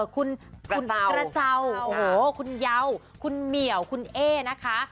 คุณกระเจ้าคุณเยาคุณเหมียวคุณเอ๊นะคะ